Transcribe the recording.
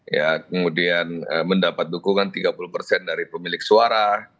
ya kemudian mendapat dukungan tiga puluh persen dari pemilik suara